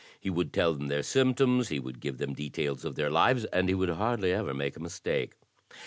He would tell them their symptoms, he would give them details of their lives, and he would hardly ever make a mis take.